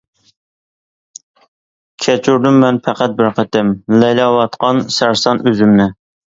كەچۈردۈم مەن پەقەت بىر قېتىم، لەيلەۋاتقان سەرسان ئۆزۈمنى.